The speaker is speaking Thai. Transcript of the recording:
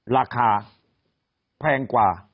ราคาแพงกว่า